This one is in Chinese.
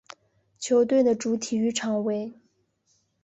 球队的主体育场为。